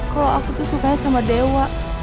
kok aku tuh sukanya sama dewa